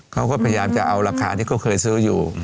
เขาก็พยายามจะเอาราคาที่เขาเคยซื้ออยู่